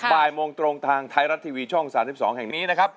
บ่ายโมงตรงทางไทยรัฐทีวีช่อง๓๒แห่งนี้นะครับ